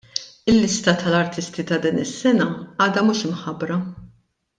Il-lista tal-artisti ta' din is-sena għadha mhux imħabbra.